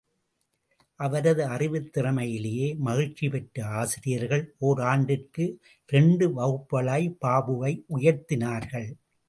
அவரது அறிவுத் திறமையிலே மகிழ்ச்சி பெற்ற ஆசிரியர்கள், ஓராண்டிற்கு இரண்டு வகுப்புகளாய் பாபுவை உயர்த்தினார்கள்.